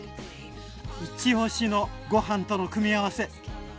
いちおしのご飯との組み合わせ。